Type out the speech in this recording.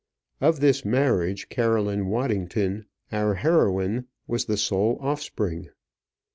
Of this marriage, Caroline Waddington, our heroine, was the sole offspring.